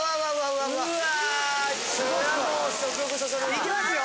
いきますよ。